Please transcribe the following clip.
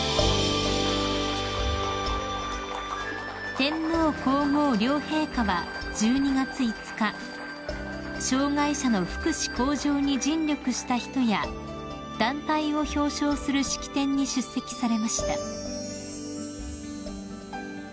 ［天皇皇后両陛下は１２月５日障害者の福祉向上に尽力した人や団体を表彰する式典に出席されました］